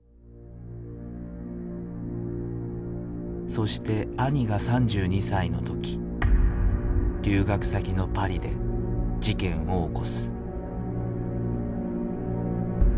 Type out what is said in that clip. そして兄が３２歳の時留学先のパリで事件を起こす。